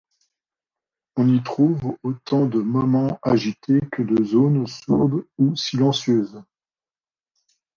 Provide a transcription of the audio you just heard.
On y trouve autant de moments agités que de zones sourdes ou silencieuses.